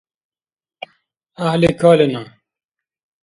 ГӀяхӀли калена.